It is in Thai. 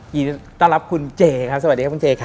ยินดีต้อนรับคุณเจครับสวัสดีครับคุณเจครับ